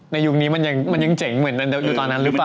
ยุคนี้มันยังเจ๋งเหมือนอยู่ตอนนั้นหรือเปล่า